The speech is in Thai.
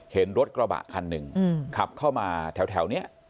เห็นรถกระบะคันหนึ่งขับเข้ามาแถวนี้